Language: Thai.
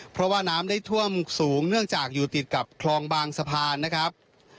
เพราะว่าน้ำได้ท่วมสูงเนื่องจากอยู่ติดกับคลองบางสะพานนะครับ